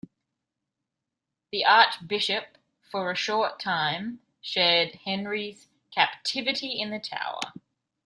The archbishop for a short time shared Henry's captivity in the Tower.